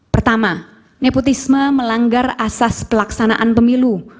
pertama nepotisme melanggar asas pelaksanaan pemilu